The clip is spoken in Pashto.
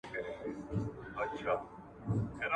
پوښتنې له متخصص وشي.